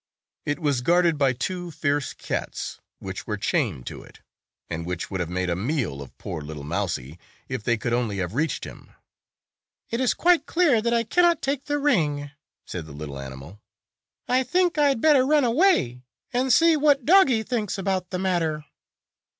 It was guarded by two fierce cats which were chained to it, and which would have made a meal of poor little Mousie, if they could only have reached him. "It is quite clear that I cannot take the ring," said the little animal. " I think I had better run away and see what Doggie thinks about the matter."